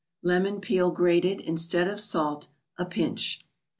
Lemon peel, grated, instead of salt, a pinch.